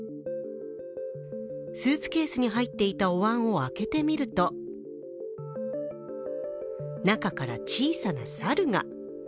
スーツケースに入っていたおわんを開けてみると中から小さな猿が。